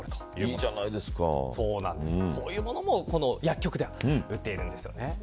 こういうものも薬局では売っているんですよね。